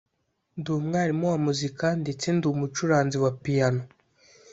ndi umwarimu wa muzika ndetse ndi umucuranzi wa piano